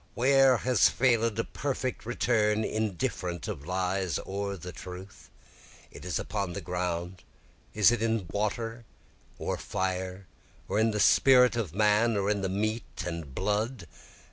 Where has fail'd a perfect return indifferent of lies or the truth? Is it upon the ground, or in water or fire? or in the spirit of man? or in the meat and blood?